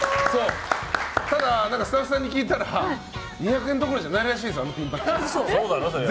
ただ、スタッフさんに聞いたら２００円どころじゃないらしいです、あのピンバッジ。